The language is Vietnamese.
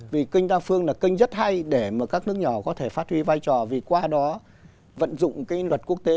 vì kênh đa phương là kênh rất hay để mà các nước nhỏ có thể phát huy vai trò vì qua đó vận dụng cái luật quốc tế